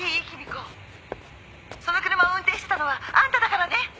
「その車を運転してたのはあんただからね！」